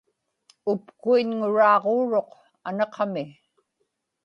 upkuiñŋuraaġuuruq anaqami